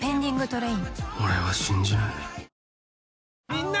みんな！